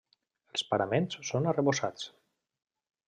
Els paraments són arrebossats.